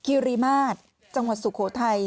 คิริมาตรจังหวัดสุโขทัย